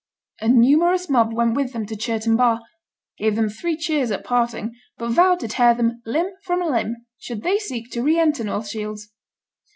A numerous mob went with them to Chirton Bar; gave them three cheers at parting, but vowed to tear them limb from limb should they seek to re enter North Shields.